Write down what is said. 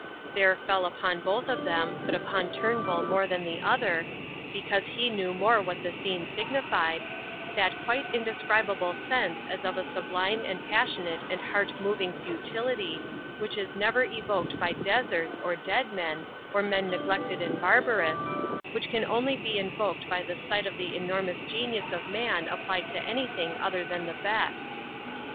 There fell upon both of them, but upon Turnbull more than the other, because he know more what the scene signified, that quite indescribable sense as of a sublime and passionate and heart moving futility, which is never evoked by deserts or dead men or men neglected and barbarous, which can only be invoked by the sight of the enormous genius of man applied to anything other than the best.